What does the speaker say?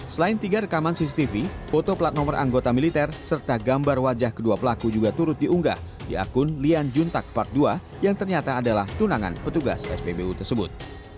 selain tiga rekaman cctv foto plat nomor anggota militer serta gambar wajah kedua pelaku juga turut diunggah di akun lian juntak part ii yang ternyata adalah tunangan petugas spbu tersebut